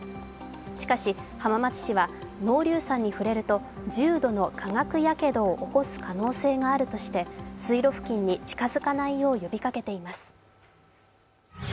しかし、浜松市は濃硫酸に触れると重度の化学やけどを起こす可能性があるとして水路付近に近づかないよう呼びかけています。